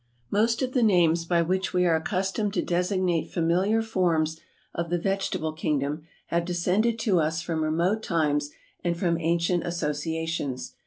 Most of the names by which we are accustomed to designate familiar forms of the vegetable kingdom have descended to us from remote times and from ancient associations.